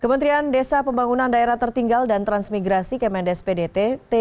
kementerian desa pembangunan daerah tertinggal dan transmigrasi kemendes pdt